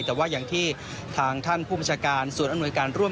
แต่ว่าอย่างที่ทางท่านผู้บัชการส่วนอนุญาการร่วม